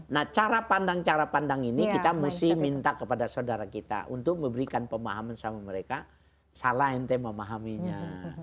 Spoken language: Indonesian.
nah cara pandang cara pandang ini kita mesti minta kepada saudara kita untuk memberikan pemahaman sama mereka salah ente memahaminya